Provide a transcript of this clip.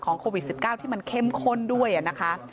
โควิด๑๙ที่มันเข้มข้นด้วยนะคะ